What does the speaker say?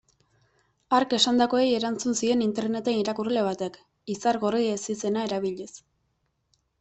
Hark esandakoei erantzun zien interneten irakurle batek, Izargorri ezizena erabiliz.